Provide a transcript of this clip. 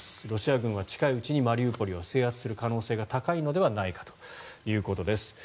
ロシア軍が近いうちにマリウポリを制圧する可能性が高いのではないかということです。